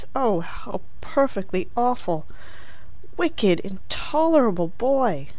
Oh how perfectly awful!" "Wicked, intolerable boy!"